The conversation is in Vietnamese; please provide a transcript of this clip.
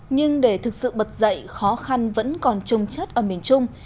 nhưng để thực sự bật dậy khó khăn vẫn còn trung chất ở miền trung